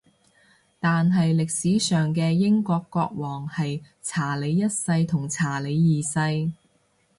但係歷史上嘅英國國王係查理一世同查理二世